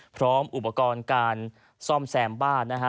พร้อมอุปกรณ์การซ่อมแซมบ้านนะฮะ